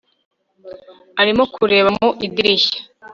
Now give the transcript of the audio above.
Arimo kureba mu idirishya